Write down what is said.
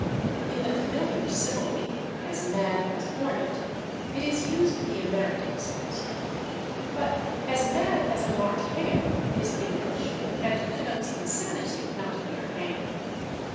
In the familiar simile, /as mad as a hornet/, it is used in the American sense. But /as mad as a March hare/ is English, and connotes insanity, not mere anger.